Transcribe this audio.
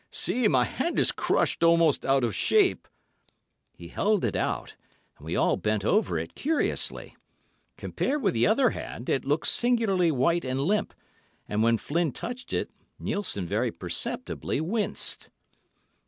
See, my hand is crushed almost out of shape!" He held it out, and we all bent over it curiously. Compared with the other hand, it looked singularly white and limp, and when Flynn touched it, Nielssen very perceptibly winced.